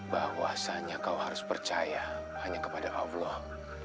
bahwasannya kau harus percaya hanya kepada allah